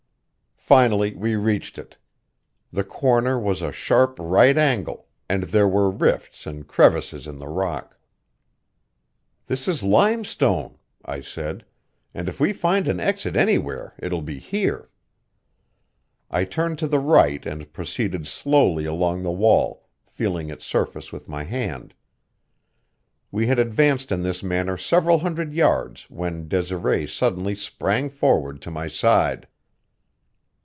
Finally we reached it. The corner was a sharp right angle, and there were rifts and crevices in the rock. "This is limestone," I said, "and if we find an exit anywhere it will be here." I turned to the right and proceeded slowly along the wall, feeling its surface with my hand. We had advanced in this manner several hundred yards when Desiree suddenly sprang forward to my side.